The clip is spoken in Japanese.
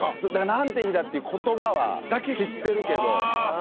「なんて日だ！」っていう言葉は知ってるけど。